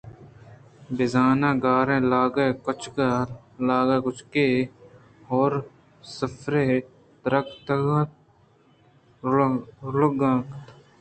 بِہ زاں گاریں لاگءُ کُچکّ لاگءُ کُچکّے ہورسفرےءَدراتکگ اتنتءُ رئوگءَاِتنت